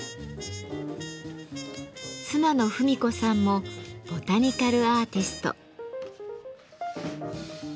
妻の文子さんもボタニカルアーティスト。